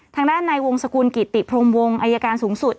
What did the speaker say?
ทางด้านในวงสกุลกิติพรมวงอายการสูงสุด